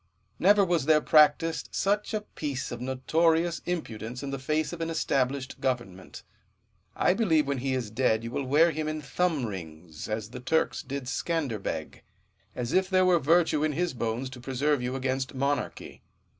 Never was there practised such a piece of notorious impudence in the face of an established government. I believe when he is dead you will wear him in thumb rings, as the Turks did Scanderbeg ; as if there were virtue in his bones to preserve you against monarchy.